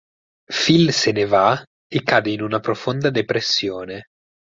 Phil se ne va e cade in una profonda depressione.